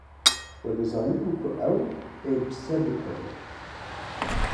Wê dizanîbû ku ew ê bi ser bikeve.